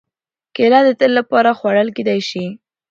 کېله د تل لپاره خوړل کېدای شي.